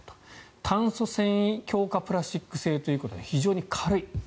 炭素繊維強化プラスチック製ということで非常に軽い。